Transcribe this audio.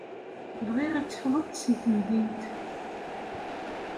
Bɣiɣ ad teffɣemt seg temdint.